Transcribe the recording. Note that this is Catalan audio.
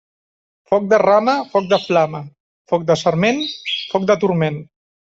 Foc de rama, foc de flama; foc de sarment, foc de turment.